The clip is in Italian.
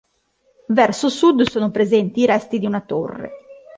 Verso sud sono presenti i resti di una torre.